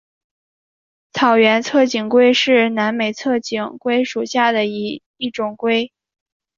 草原侧颈龟是南美侧颈龟属下的一种龟。